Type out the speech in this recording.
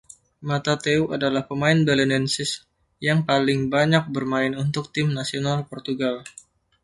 Matateu adalah pemain Belenenses yang paling banyak bermain untuk tim nasional Portugal.